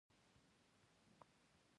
د جوارو ډېسې ښکلې څڼکې لري.